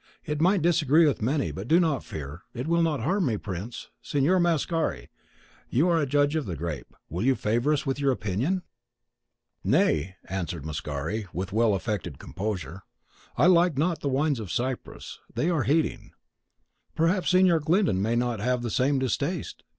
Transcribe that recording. It might disagree with many, but do not fear: it will not harm me, prince, Signor Mascari, you are a judge of the grape; will you favour us with your opinion?" "Nay," answered Mascari, with well affected composure, "I like not the wines of Cyprus; they are heating. Perhaps Signor Glyndon may not have the same distaste?